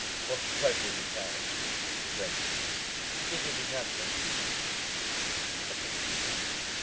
"Watch as closely as you can," he grinned. "See if you can catch me." I couldn't.